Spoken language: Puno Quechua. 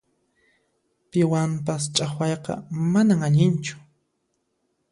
Piwanpas ch'aqwayqa manan allinchu.